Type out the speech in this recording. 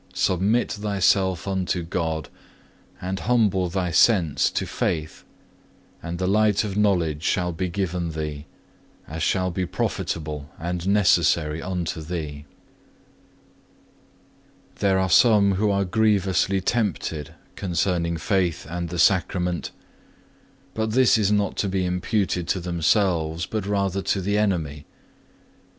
Submit thyself unto God, and humble thy sense to faith, and the light of knowledge shall be given thee, as shall be profitable and necessary unto thee. 3. There are some who are grievously tempted concerning faith and the Sacrament; but this is not to be imputed to themselves but rather to the enemy.